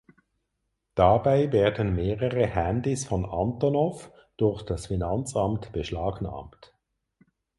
Dabei werden mehrere Handys von Antonov durch das Finanzamt beschlagnahmt.